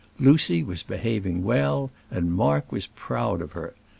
Lucy was behaving well, and Mark was proud of her.